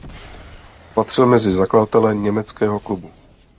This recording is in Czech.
Patřil mezi zakladatele Německého klubu.